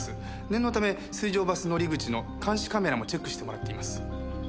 念のため水上バス乗り口の監視カメラもチェックしてもらっています。